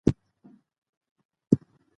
آیا میاشت پوره شوه چې د برېښنا د مصرف پیسې ورکړو؟